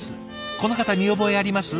この方見覚えあります？